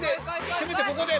せめてここで。